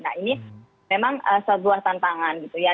nah ini memang sebuah tantangan gitu ya